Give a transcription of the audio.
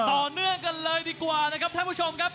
ต่อเนื่องกันเลยดีกว่านะครับท่านผู้ชมครับ